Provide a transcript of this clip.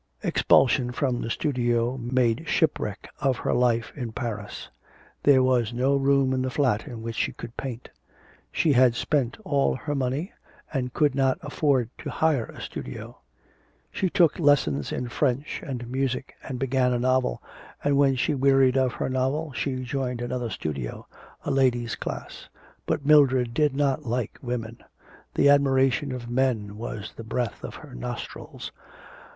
Expulsion from the studio made shipwreck of her life in Paris. There was no room in the flat in which she could paint. She had spent all her money, and could not afford to hire a studio. She took lessons in French and music, and began a novel, and when she wearied of her novel she joined another studio, a ladies' class. But Mildred did not like women; the admiration of men was the breath of her nostrils.